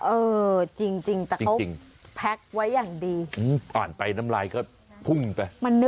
เออจริงแต่เขาแพ็คไว้อย่างดีอ่านไปน้ำลายก็พุ่งไป